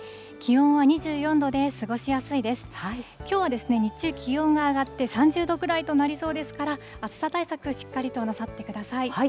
きょうは日中、気温が上がって３０度ぐらいとなりそうですから、暑さ対策、しっかりとなさってください。